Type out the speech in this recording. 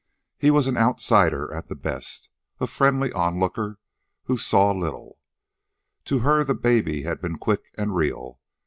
He was an outsider at the best, a friendly onlooker who saw little. To her the baby had been quick and real.